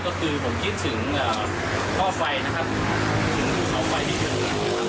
ก็คือผมคิดถึงข้อไฟนะครับถึงข้อไฟที่อยู่